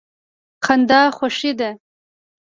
خندا خوښي ده.